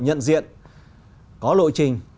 nhận diện có lộ trình